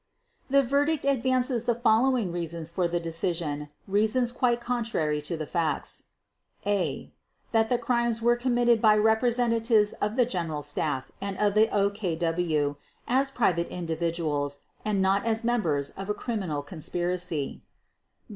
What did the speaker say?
The verdict advances the following reasons for the decision, reasons quite contradictory to the facts: a) That the crimes were committed by representatives of the General Staff and of the OKW as private individuals and not as members of a criminal conspiracy.